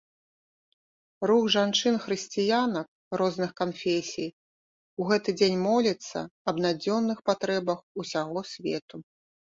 Рух жанчын-хрысціянак розных канфесій у гэты дзень моліцца аб надзённых патрэбах усяго свету.